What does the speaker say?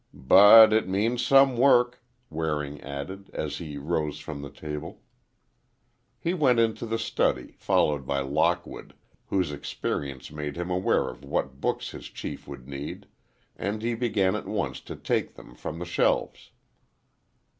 "But it means some work," Waring added, as he rose from the table. He went into the study, followed by Lockwood, whose experience made him aware of what books his chief would need, and he began at once to take them from the shelves.